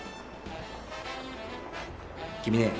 君ね。